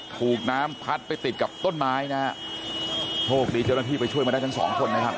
ถูกน้ำพัดไปติดกับต้นไม้นะฮะโชคดีเจ้าหน้าที่ไปช่วยมาได้ทั้งสองคนนะครับ